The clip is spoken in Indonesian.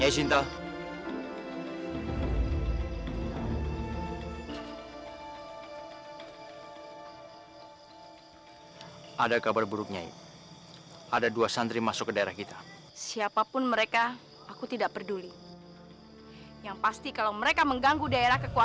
sampai jumpa di video selanjutnya